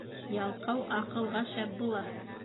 Ялҡау аҡылға шәп була.